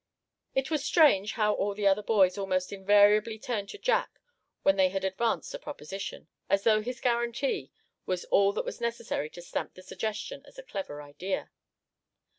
It was strange how all the other boys almost invariably turned to Jack when they had advanced a proposition; as though his guarantee was all that was necessary to stamp the suggestion as a clever idea.